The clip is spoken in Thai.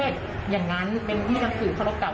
ท่านขอโทษน้องไหมฝากขอโทษรึเปล่า